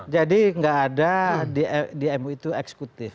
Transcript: jadi gak ada di mui itu eksekutif